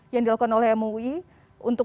yang dilakukan oleh mui untuk